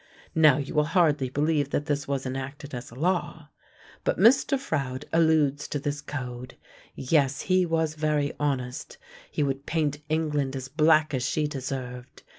Now, you will hardly believe that this was enacted as a law. But Mr. Froude alludes to this code. Yes; he was very honest; he would paint England as black as she deserved.